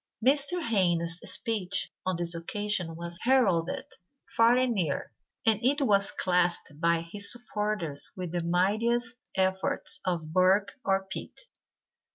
Mr. Hayne's speech on this occasion was heralded far and near, and it was classed by his supporters with the mightiest efforts of Burke or Pitt.